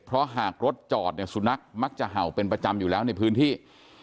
เพราะหากรถจอดเนี่ยสุนัขมักจะเห่าเป็นประจำอยู่แล้วในพื้นที่